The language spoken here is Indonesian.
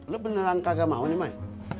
lo beneran kagak mau nih may